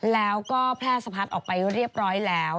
แล้วก็แพร่สะพัดออกไปเรียบร้อยแล้ว